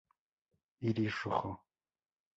Iris rojo.